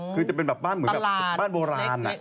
คือจะเป็นแบบบ้านเหมือนแบบบ้านโบราณ